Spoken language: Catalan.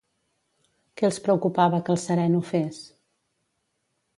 Què els preocupava que el sereno fes?